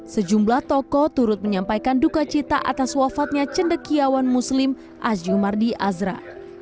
sejumlah tokoh turut menyampaikan duka cita atas wafatnya cendekiawan muslim aziumardi azra